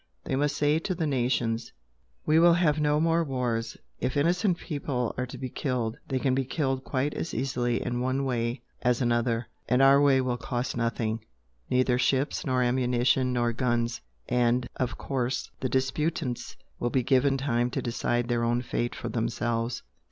They must say to the nations 'We will have no more wars. If innocent people are to be killed, they can be killed quite as easily in one way as another, and our way will cost nothing neither ships nor ammunition nor guns.' And, of course, the disputants will be given time to decide their own fate for themselves."